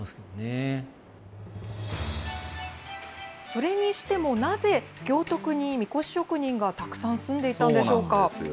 それにしてもなぜ、行徳にみこし職人がたくさん住んでいたんでしょうか。